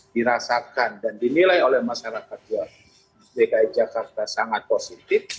dirasakan dan dinilai oleh masyarakat dki jakarta sangat positif